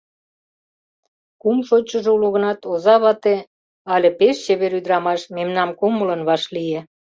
Кум шочшыжо уло гынат, оза вате, але пеш чевер ӱдырамаш, мемнам кумылын вашлие.